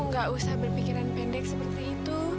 nggak usah berpikiran pendek seperti itu